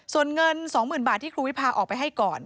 ส่วนเงิน๒๐๐๐บาทที่ครูวิพาออกไปให้ก่อน